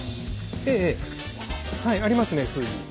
ええはいありますね数字。